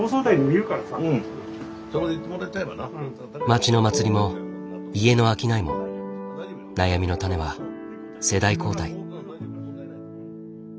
町の祭りも家の商いも悩みのタネは世代交代。